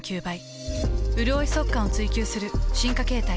うるおい速乾を追求する進化形態。